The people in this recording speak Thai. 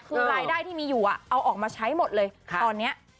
คือรายได้ที่มีอยู่เอาออกมาใช้หมดเลยตอนนี้